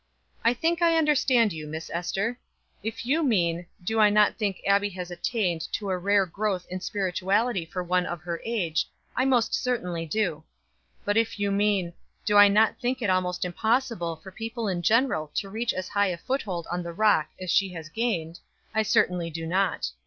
"I think I understand you, Miss Ester. If you mean, Do I not think Abbie has attained to a rare growth in spirituality for one of her age, I most certainly do; but if you mean, Do I not think it almost impossible for people in general to reach as high a foothold on the rock as she has gained, I certainly do not.